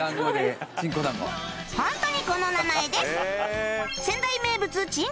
ホントにこの名前です